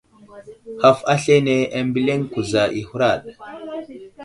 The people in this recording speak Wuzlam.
Haf aslane ambeliŋ kuza i huraɗ.